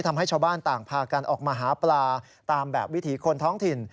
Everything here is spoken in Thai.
ทำให้ชาวบ้านต่างพากันออกมาหาปลาตามแบบวิถีคนท้องถิ่น